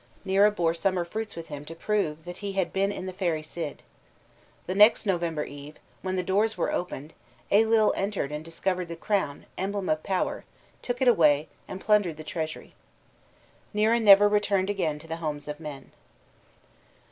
Nera bore summer fruits with him to prove that he had been in the fairy sid. The next November Eve, when the doors were opened Ailill entered and discovered the crown, emblem of power, took it away, and plundered the treasury. Nera never returned again to the homes of men.